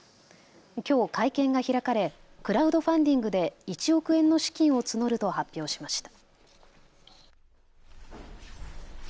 きょう会見が開かれクラウドファンディングで１億円の資金を募ると発表しました。